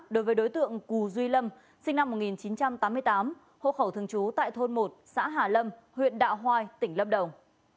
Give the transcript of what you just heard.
đối với đối tượng cù duy lâm sinh năm một nghìn chín trăm tám mươi tám hộ khẩu thường trú tại thôn một xã hà lâm huyện đạo hoai tỉnh lâm đồng